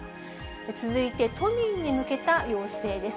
続いて、都民に向けた要請です。